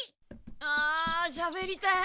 あしゃべりたい。